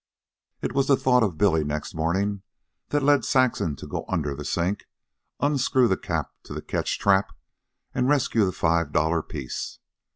It was the thought of Billy, next morning, that led Saxon to go under the sink, unscrew the cap to the catchtrap, and rescue the five dollar piece.